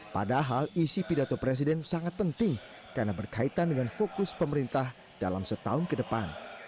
padahal isi pidato presiden sangat penting karena berkaitan dengan fokus pemerintah dalam setahun ke depan